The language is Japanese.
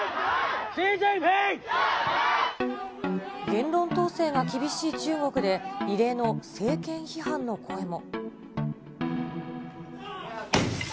言論統制が厳しい中国で、異例の政権批判の声も。